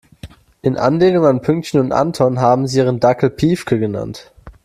In Anlehnung an Pünktchen und Anton haben sie ihren Dackel Piefke genannt.